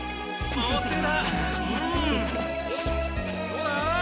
どうだ？